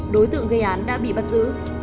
đối tượng gây án đã bị bắt giữ